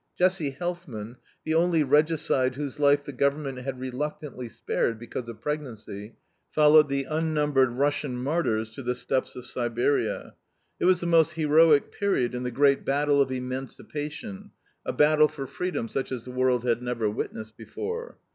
Jessie Helfman, the only regicide whose life the government had reluctantly spared because of pregnancy, followed the unnumbered Russian martyrs to the etapes of Siberia. It was the most heroic period in the great battle of emancipation, a battle for freedom such as the world had never witnessed before.